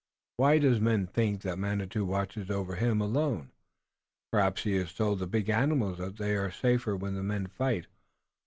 Why does man think that Manitou watches over him alone? Perhaps He has told the big animals that they are safer when the men fight.